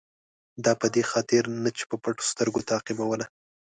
دا په دې خاطر نه چې په پټو سترګو تعقیبوله.